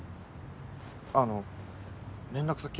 あの連絡先。